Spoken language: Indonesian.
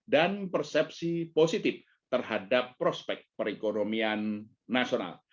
dan persepsi positif terhadap prospek perekonomian nasional